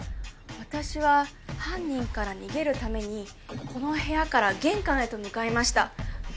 私は犯人から逃げるためにこの部屋から玄関へと向かいました。